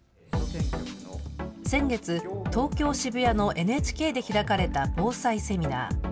先月、東京・渋谷のＮＨＫで開かれた防災セミナー。